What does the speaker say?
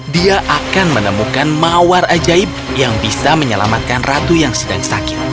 dia akan menemukan mawar ajaib yang bisa menyelamatkan ratu yang sedang sakit